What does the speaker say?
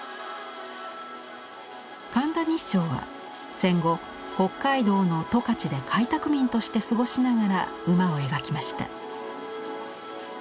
神田日勝は戦後北海道の十勝で開拓民として過ごしながら馬を描きました。